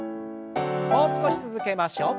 もう少し続けましょう。